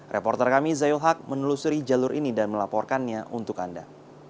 reporter kami zayul haq menelusuri jalur ini dan melaporkannya untuk anda